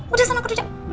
udah sana kerja